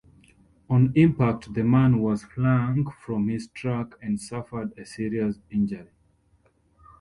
On impact, the man was flung from his truck and suffered a serious injury.